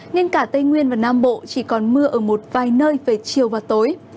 nên cả tây nguyên và nam bộ chỉ còn mưa ở một vài nơi về chiều và tối